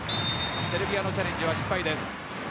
セルビアのチャレンジは失敗です。